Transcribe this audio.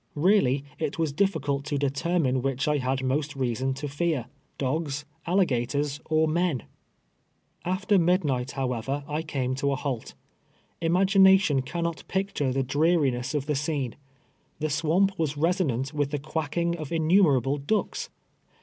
Keally, it was difficult to determine which I had most reason to fear — dogs, alligators or men ! After midnight, however, I came to a halt. Ima gination cannot picture the dreariness of the scene. The swamp was resonant with the quacking of innu merable ducks